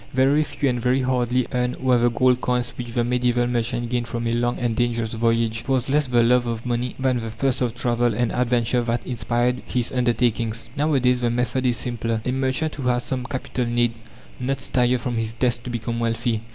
Very few and very hardly earned were the gold coins which the medieval merchant gained from a long and dangerous voyage. It was less the love of money than the thirst of travel and adventure that inspired his undertakings. Nowadays the method is simpler. A merchant who has some capital need not stir from his desk to become wealthy.